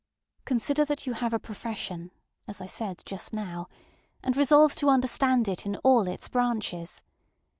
Consider that you have a profession, as I said just now, and resolve to understand it in all its branches.